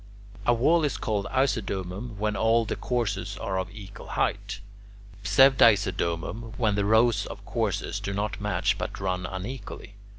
A wall is called isodomum when all the courses are of equal height; pseudisodomum, when the rows of courses do not match but run unequally.